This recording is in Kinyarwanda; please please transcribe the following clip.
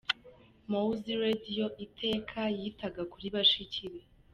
Mowzey Radio iteka yitaga kuri bashiki be.